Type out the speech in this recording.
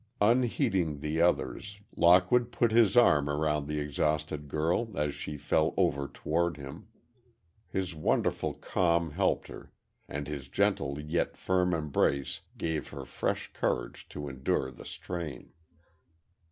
Unheeding the others, Lockwood put his arm round the exhausted girl as she fell over toward him. His wonderful calm helped her, and his gentle yet firm embrace gave her fresh courage to endure the strain.